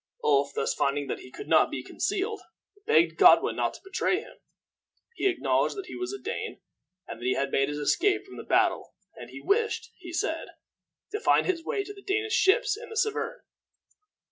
Ulf, thus finding that he could not be concealed, begged Godwin not to betray him. He acknowledged that he was a Dane, and that he had made his escape from the battle, and he wished, he said, to find his way to the Danish ships in the Severn.